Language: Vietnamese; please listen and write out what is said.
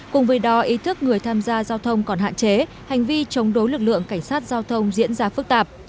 cùng với đó ý thức người tham gia giao thông còn hạn chế hành vi chống đối lực lượng cảnh sát giao thông diễn ra phức tạp